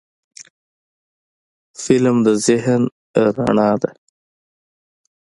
فلم د ذهن رڼا ده